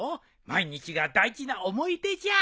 毎日が大事な思い出じゃ。